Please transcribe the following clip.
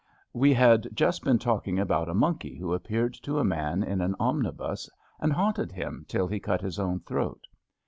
We had just been talking about a monkey who appeared to a man in an omnibus, and haunted him till he cut his own throat.